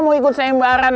mau ikut sayembaran